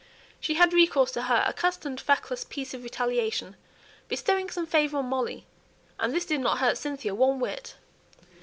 She had recourse to her accustomed feckless piece of retaliation bestowing some favour on Molly; and this did not hurt Cynthia one whit.